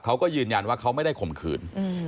เขาก็ยืนยันว่าเขาไม่ได้ข่มขืน